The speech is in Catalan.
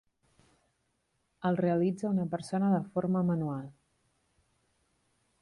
El realitza una persona de forma manual.